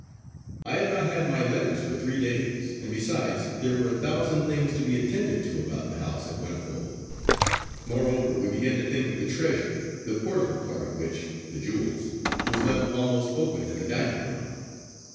I had not had my letters for three days; and besides there were a thousand things to be attended to about the house at Whinnyfold. Moreover, we began to think of the treasure, the portable part of which the jewels was left almost open in the dining room.